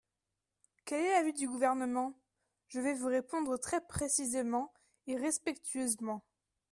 Quel est l’avis du Gouvernement ? Je vais vous répondre très précisément et respectueusement.